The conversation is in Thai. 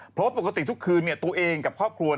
เพราะปกติทุกคืนตัวเองกับครอบครัว